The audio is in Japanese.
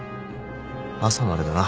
「朝までだな」